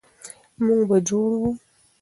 موږ به جوړوو.